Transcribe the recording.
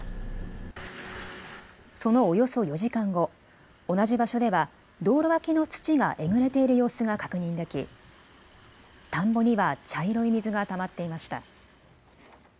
そのおよそ４時間後、同じ場所では道路脇の土がえぐれている様子が確認でき田んぼには茶色い水がたまっていました。